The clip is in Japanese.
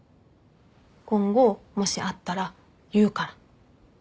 今後もしあったら言うから。